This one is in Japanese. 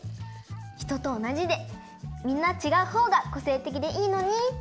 ひととおなじでみんなちがうほうがこせいてきでいいのにって。